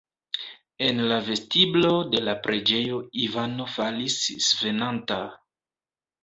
En la vestiblo de la preĝejo Ivano falis svenanta.